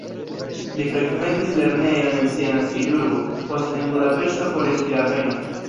Li frekventis lernejon en sia naskiĝurbo, poste en Budapeŝto por esti rabeno.